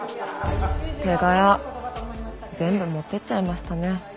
手柄全部持ってっちゃいましたね。